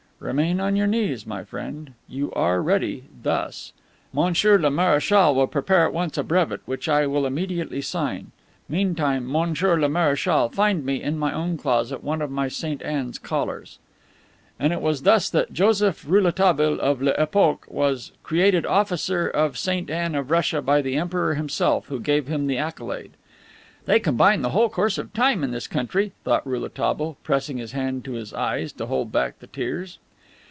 "Remain on your knees, my friend. You are ready, thus. Monsieur le Marechal will prepare at once a brevet, which I will immediately sign. Meantime, Monsieur le Marechal, find me, in my own closet, one of my St. Anne's collars." And it was thus that Joseph Rouletabille, of "L'Epoque," was created officer of St. Anne of Russia by the Emperor himself, who gave him the accolade. "They combine the whole course of time in this country," thought Rouletabille, pressing his hand to his eyes to hold back the tears.